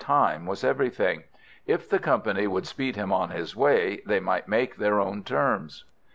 Time was everything. If the company would speed him on his way, they might make their own terms.